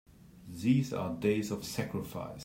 These are days of sacrifice!